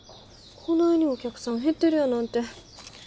こないにお客さん減ってるやなんて。